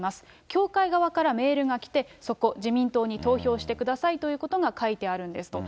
教会側からメールが来て、そこ、自民党に投票してくださいということが書いてあるんですと。